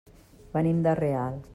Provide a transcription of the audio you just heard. Venim de Real.